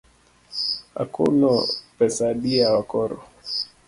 Akuno pesa adi yawa koro?